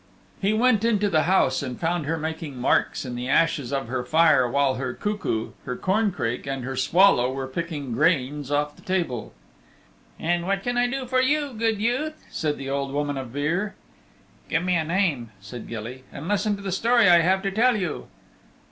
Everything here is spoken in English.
He went into the house and found her making marks in the ashes of her fire while her cuckoo, her corncrake and her swallow were picking grains off the table. "And what can I do for you, good youth?" said the Old Woman of Beare. "Give me a name," said Gilly, "and listen to the story I have to tell you."